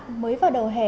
thưa quý vị và các bạn